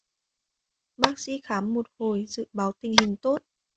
Bác sĩ khám một hồi dự báo tình hình tốt